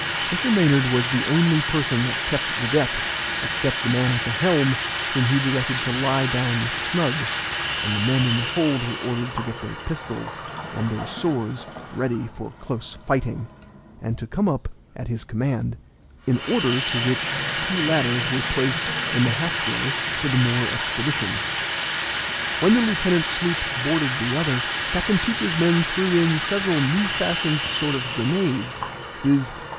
Mr. Maynard was the only person that kept the deck, except the man at the helm, whom he directed to lie down snug, and the men in the hold were ordered to get their pistols and their swords ready for close fighting, and to come up at his command; in order to which two ladders were placed in the hatchway for the more expedition. When the lieutenant's sloop boarded the other Captain Teach's men threw in several new fashioned sort of grenades, viz.